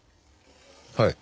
はい。